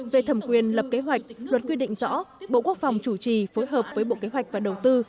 về thẩm quyền lập kế hoạch luật quy định rõ bộ quốc phòng chủ trì phối hợp với bộ kế hoạch và đầu tư